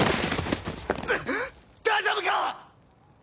だ大丈夫か⁉